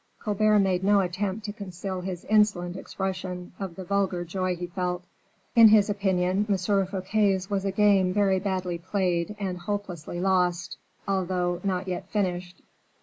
Colbert made no attempt to conceal his insolent expression of the vulgar joy he felt. In his opinion, M. Fouquet's was a game very badly played and hopelessly lost, although not yet finished.